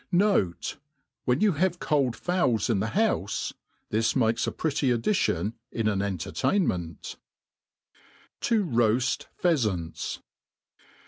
Note, When you have cold fowls in the houfe^ this makes a pretty addition in an entertainment* T$ r$q/f Pheafants.